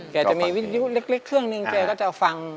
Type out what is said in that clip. แกจะมีวิทยุเล็กเครื่องนึงแกก็จะฟัง